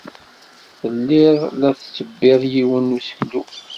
Telliḍ la tettebbiḍ yiwen n useklu.